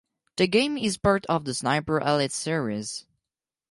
The game is part of the Sniper Elite series.